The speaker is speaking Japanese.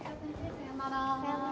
さようなら。